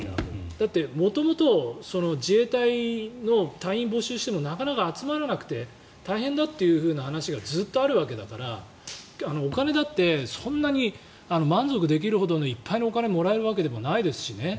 だって、元々自衛隊の隊員募集してもなかなか集まらなくて大変だという話がずっとあるわけだからお金だってそんなに満足できるほどいっぱいのお金をもらえるわけでもないですしね。